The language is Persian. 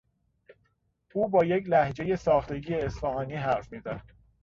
او با یک لهجهی ساختگی اصفهانی حرف میزد.